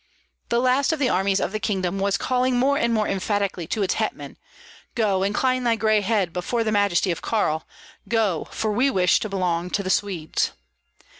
The last of the armies of the kingdom was calling more and more emphatically to its hetman: "Go, incline thy gray head before the majesty of Karl, go, for we wish to belong to the Swedes."